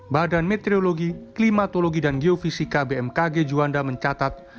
badan meteorologi klimatologi dan geofisika bmkg juanda mencatat